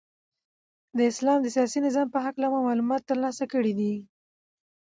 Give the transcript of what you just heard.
د اسلام د سیاسی نظام په هکله مو معلومات ترلاسه کړی دی.